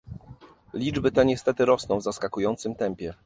Liczby te niestety rosną w zaskakującym tempie